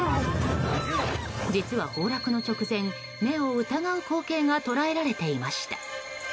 実は崩落の直前目を疑う光景が捉えられていました。